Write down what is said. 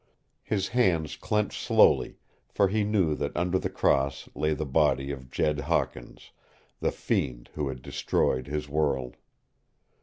His hands clenched slowly for he knew that under the cross lay the body of Jed Hawkins, the fiend who had destroyed his world.